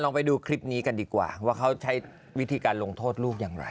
ไปดูคลิปนี้กันดีกว่าว่าเขาใช้วิธีการลงโทษลูกอย่างไร